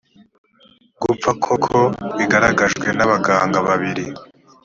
gupfa koko bigaragajwe n abaganga babiri